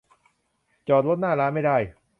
จอดรถหน้าร้านไม่ได้